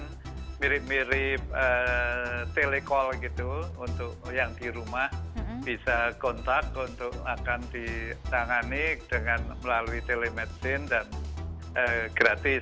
jadi kalau misalnya mereka yang punya oksigen yang mirip mirip telecall gitu untuk yang di rumah bisa kontak untuk akan ditangani dengan melalui telemedicine dan gratis